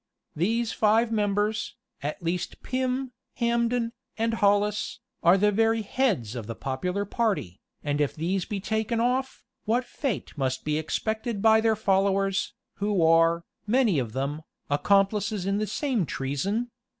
These five members, at least Pym, Hambden and Hollis, are the very heads of the popular party; and if these be taken off, what fate must be expected by their followers, who are, many of them, accomplices in the same treason?